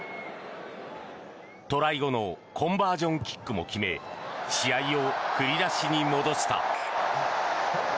トライ後のコンバージョンキックも決め試合を振り出しに戻した。